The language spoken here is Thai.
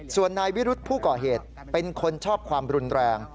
ส่วนนายวิรุธผู้ก่อเหตุเป็นคนชอบความรุนแรง